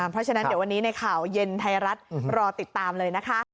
เพราะฉะนั้นเดี๋ยววันนี้ในข่าวเย็นไทยรัฐรอติดตามเลยนะคะ